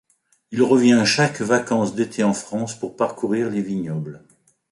Il revient chaque vacances d'été en France pour parcourir les vignobles.